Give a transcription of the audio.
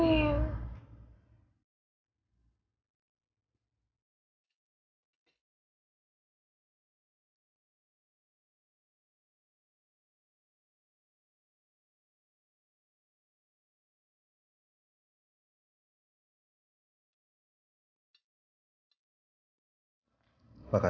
aku mini dikit bahagia